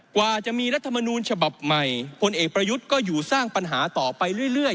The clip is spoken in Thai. กว่าจะมีรัฐมนูลฉบับใหม่พลเอกประยุทธ์ก็อยู่สร้างปัญหาต่อไปเรื่อย